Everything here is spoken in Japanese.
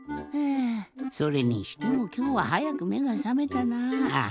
あそれにしてもきょうははやくめがさめたなぁ。